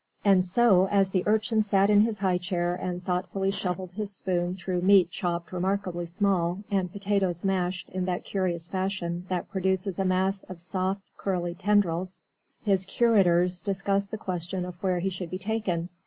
And so, as the Urchin sat in his high chair and thoughtfully shovelled his spoon through meat chopped remarkably small and potatoes mashed in that curious fashion that produces a mass of soft, curly tendrils, his curators discussed the question of where he should be taken.